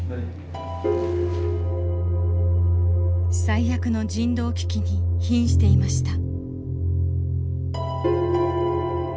最悪の人道危機にひんしていました。